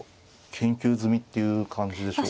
研究済みっていう感じでしょうか。